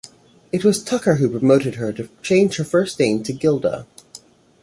It was Tucker who prompted her to change her first name to Gilda.